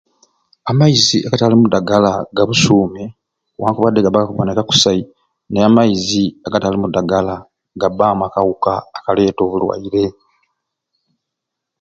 Amaizi agatalimu dagala busuume newankubadde gaba gakuboneka kusai amaizi agatalimu dagala gabaamu akawuka akaleta obulwaire